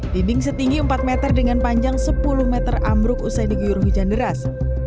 dinding setinggi empat meter dengan panjang sepuluh meter ambruk usai diguyur hujan deras